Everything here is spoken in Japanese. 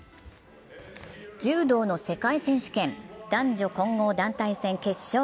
柔道の世界選手権男女混合団体戦決勝。